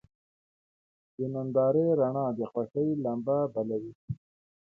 د نندارې رڼا د خوښۍ لمبه بله وي.